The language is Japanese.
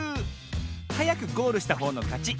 はやくゴールしたほうのかち。